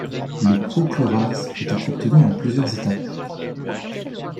Le prochloraze peut être obtenu en plusieurs étapes.